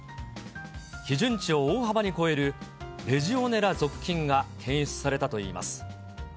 基準値を大幅に超えるレジオネラ属菌が検出されたといいます。